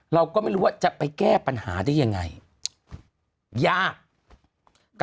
เราก็ไม่รู้ว่าจะไปแก้ปัญหาได้ยังไงยาก